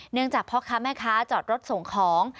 จากพ่อค้าแม่ค้าจอดรถส่งของ